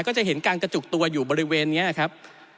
ก็จะเห็นการกระจุกตัวอยู่บริเวณนี้ครับ